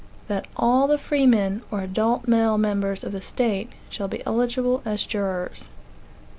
That all the freemen, or adult male members of the state, shall be eligible as jurors.